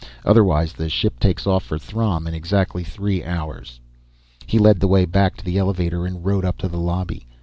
Otherwise, the ship takes off for Throm in exactly three hours." He led the way back to the elevator, and rode up to the lobby.